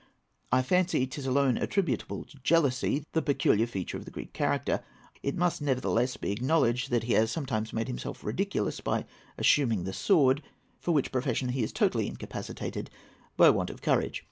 I fancy 'tis alone attributable to jealousy—the peculiar feature of the Greek character. It must nevertheless be acknowledged that he has sometimes made himself ridiculous by assuming the sword, for which profession he is totally incapacitated by want of courage.